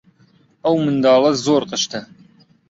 ئەو منداڵە زۆر قشتە.